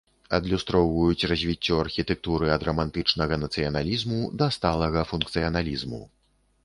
Адлюстроўваюць развіццё архітэктуры ад рамантычнага нацыяналізму да сталага функцыяналізму.